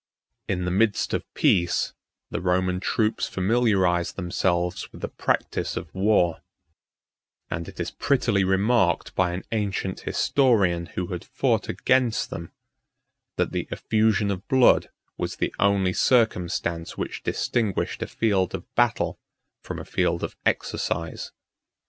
38 In the midst of peace, the Roman troops familiarized themselves with the practice of war; and it is prettily remarked by an ancient historian who had fought against them, that the effusion of blood was the only circumstance which distinguished a field of battle from a field of exercise.